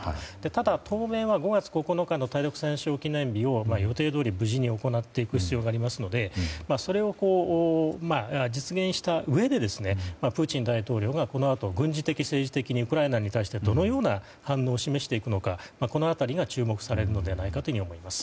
ただ、当面は５月９日の対独戦勝記念日を予定どおり、無事に行っていく必要がありますのでそれを実現したうえでプーチン大統領がこのあと軍事的・政治的にウクライナに対してどのような反応を示していくのかこの辺りが注目されるのではないかと思います。